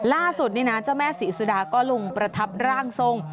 ล่าสุดนี่นะเจ้าแม่ศรีสุดาก็ลงประทับร่างทรง